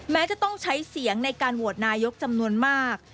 แม้จะต้องใช้เสียงในการโหวตนายกจำนวนมาก